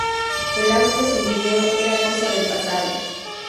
El audio sin vídeo era cosa del pasado.